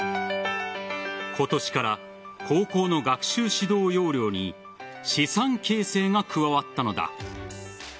今年から、高校の学習指導要領に資産形成が加わったのだ。